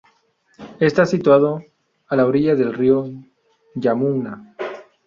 Está situado a orilla del río Yamuna.